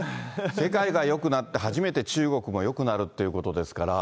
世界がよくなって初めて中国もよくなるということですから。